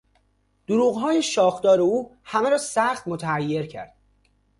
دروغهای شاخدار او همه را سخت متحیر کرد.